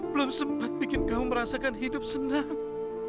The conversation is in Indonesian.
belum sempat bikin kamu merasakan hidup senang